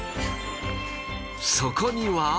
そこには。